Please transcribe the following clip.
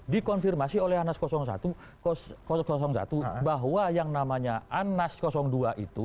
dikonfirmasi oleh anas satu bahwa yang namanya anas dua itu